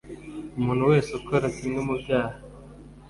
Umuntu wese ukora kimwe mu byaha